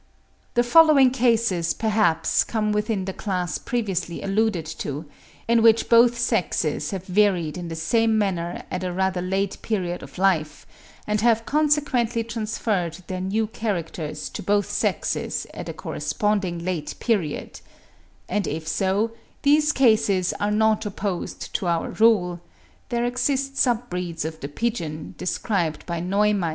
The following cases perhaps come within the class previously alluded to, in which both sexes have varied in the same manner at a rather late period of life, and have consequently transferred their new characters to both sexes at a corresponding late period; and if so, these cases are not opposed to our rule:—there exist sub breeds of the pigeon, described by Neumeister (46.